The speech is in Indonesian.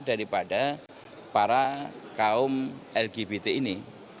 daripada para kaum lgbt ini